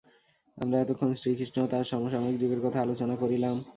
আমরা এতক্ষণ শ্রীকৃষ্ণ ও তাঁহার সমসাময়িক যুগের কথা আলোচনা করিলাম।